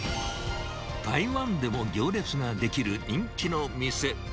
台湾でも行列が出来る人気の店。